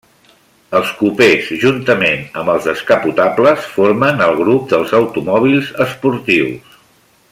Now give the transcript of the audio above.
Els cupès, juntament amb els descapotables, formen el grup dels automòbils esportius.